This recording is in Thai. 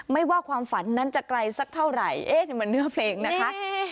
ไม่ว่าความฝันนั้นจะไกลสักเท่าไหร่เอ๊ะนี่มันเนื้อเพลงนะคะ